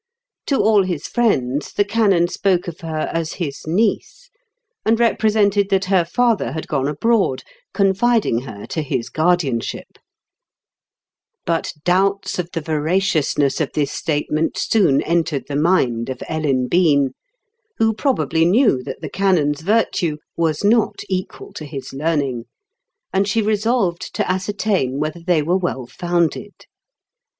To all his friends the canon spoke of her as his niece, and represented that her father had gone abroad, confiding her to his guardianship ; but doubts of the veraciousness of this statement soon entered the mind of Ellen Bean, who probably knew that the canon's virtue was not equal to his learning, and she resolved to ascertain whether they were well founded.